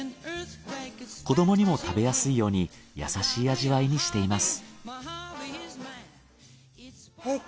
子どもにも食べやすいように優しい味わいにしています。